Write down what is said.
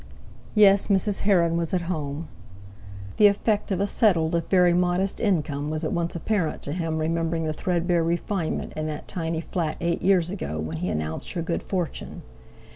Yes, Mrs. Heron was at home! The effect of a settled if very modest income was at once apparent to him remembering the threadbare refinement in that tiny flat eight years ago when he announced her good fortune.